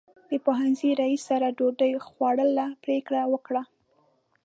د پوهنې رئیس سره ډوډۍ خوړلو پرېکړه وکړه.